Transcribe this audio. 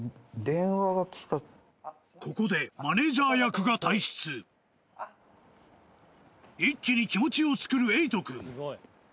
ここでマネージャー役が退室一気に気持ちをつくる瑛都君